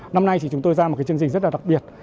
năm nay thì chúng tôi ra một cái chương trình rất là đặc biệt